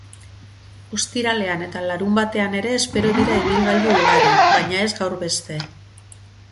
Ostiralean eta larunbatean ere espero dira ibilgailu ugari, baina ez gaur beste.